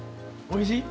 おいしい。